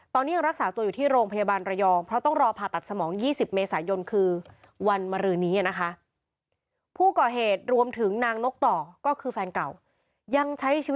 ตอนนี้ยังรักษาตัวอยู่ที่โรงพยาบาลระยอง